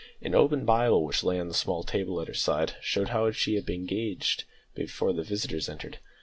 An open Bible which lay on a small table at her side, showed how she had been engaged before the visitors entered.